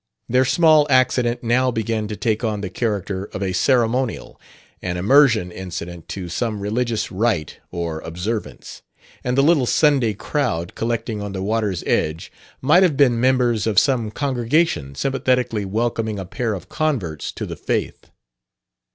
Their small accident now began to take on the character of a ceremonial an immersion incident to some religious rite or observance; and the little Sunday crowd collecting on the water's edge might have been members of some congregation sympathetically welcoming a pair of converts to the faith.